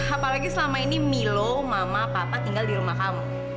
apalagi selama ini milo mama papa tinggal di rumah kamu